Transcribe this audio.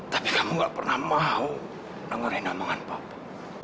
tapi kamu gak pernah mau dengerin omongan papa